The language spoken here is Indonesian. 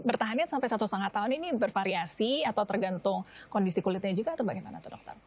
bertahannya sampai satu setengah tahun ini bervariasi atau tergantung kondisi kulitnya juga atau bagaimana tuh dokter